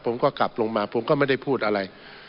ผมก็กลับลงมาผมก็ไม่ได้พูดอะไร